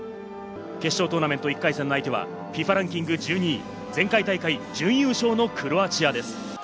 決勝トーナメント１回戦の相手はＦＩＦＡランキング１２位、前回大会準優勝のクロアチアです。